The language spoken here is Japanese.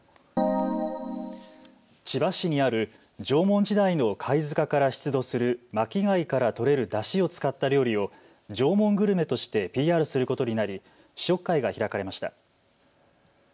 千葉市にある縄文時代の貝塚から出土する巻き貝から取れるだしを使った料理を縄文グルメとしてＰＲすることになり試食会が開かれました。